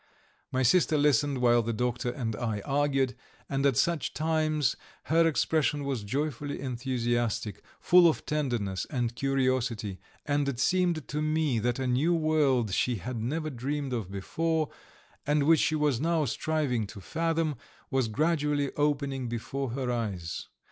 My sister listened while the doctor and I argued, and at such times her expression was joyfully enthusiastic, full of tenderness and curiosity, and it seemed to me that a new world she had never dreamed of before, and which she was now striving to fathom, was gradually opening before her eyes.